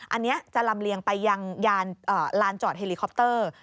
อันนี้จะลำเลียงไปยังลานจอดเฮลิคอปเตอร์